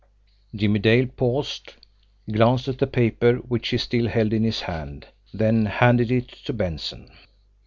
Jimmie Dale paused, glanced at the paper which he still held in his hand, then handed it to Benson.